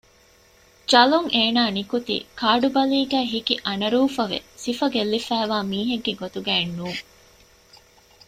ޖަލުން އޭނާ ނިކުތީ ކާޑު ބަލީގައި ހިކި އަނަރޫފަވެ ސިފަ ގެއްލިފައިވާ މީހެއްގެ ގޮތުގައެއް ނޫން